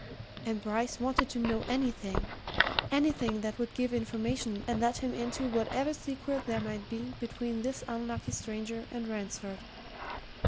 And Bryce wanted to know anything anything that would give information and let him into whatever secret there might be between this unlucky stranger and Ransford.